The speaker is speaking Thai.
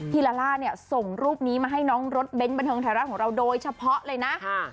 ลาล่าเนี่ยส่งรูปนี้มาให้น้องรถเบ้นบันเทิงไทยรัฐของเราโดยเฉพาะเลยนะ